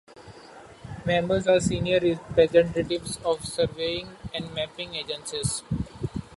Members are senior representatives of surveying and mapping agencies.